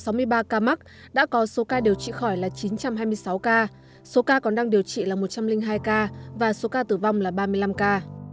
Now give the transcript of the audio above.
trong số ba ca mắc đã có số ca điều trị khỏi là chín trăm hai mươi sáu ca số ca còn đang điều trị là một trăm linh hai ca và số ca tử vong là ba mươi năm ca